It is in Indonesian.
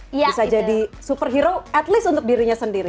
bisa jadi superhero at least untuk dirinya sendiri